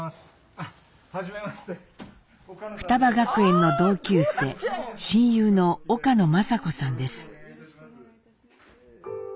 雙葉学園の同級生親友の岡野まさ子さんです。